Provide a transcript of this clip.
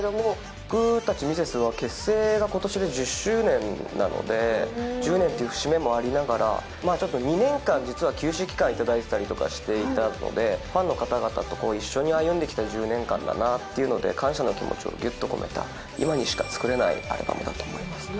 僕たち、ミセスは結成がことしで１０周年なので、１０年という節目もありながら、ちょっと２年間実は休止期間いただいてたりとかしていたので、ファンの方々と一緒に歩んできた１０年間だなっていうので、感謝の気持ちをぎゅっと込めた、今にしか作れないアルバムだと思いますね。